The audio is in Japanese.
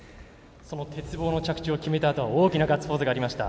その鉄棒の着地を決めたあと大きなガッツポーズがありました。